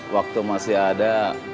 waktu masih ada